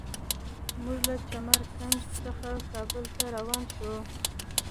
موږ له چمر کنډ څخه کابل ته روان شولو.